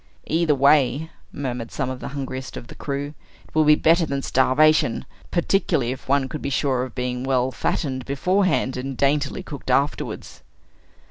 "Either way," murmured some of the hungriest of the crew; "it will be better than starvation; particularly if one could be sure of being well fattened beforehand, and daintily cooked afterwards."